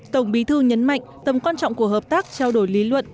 tổng bí thư nhấn mạnh tầm quan trọng của hợp tác trao đổi lý luận